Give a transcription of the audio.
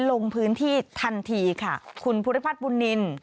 ลงพื้นที่ทันทีค่ะคุณภูริพัฒน์บุญนิน